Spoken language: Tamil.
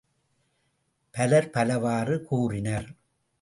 பலர் பலவாறு கூறினர்.